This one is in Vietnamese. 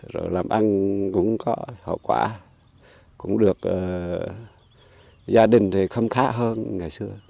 rồi làm ăn cũng có hậu quả cũng được gia đình thì khâm khá hơn ngày xưa